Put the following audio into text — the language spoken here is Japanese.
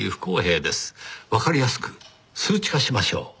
わかりやすく数値化しましょう。